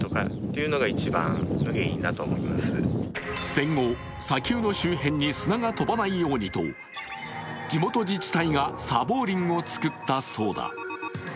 戦後、砂丘の周辺に砂が飛ばないようにと地元自治体が砂防林を作ったそうだ。